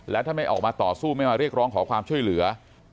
และถ้าไม่ออกมาต่อสู้ไม่มาเรียกร้องขอความช่วยเหลือ